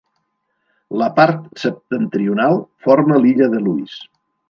La part septentrional forma l'illa de Lewis.